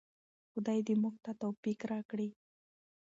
خدای دې موږ ته توفیق راکړي.